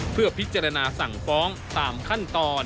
เพื่อพิจารณาสั่งฟ้องตามขั้นตอน